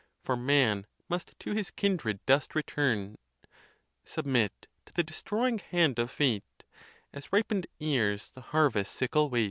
For man must to his kindred dust return ; Submit to the destroying hand of fate, As ripen'd ears the harvest sickle wait.?